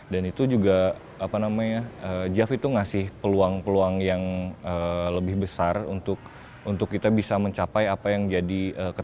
dan itu juga apa namanya jav itu ngasih peluang peluang yang lebih besar untuk kita bisa mencapai apa yang jadi kita inginkan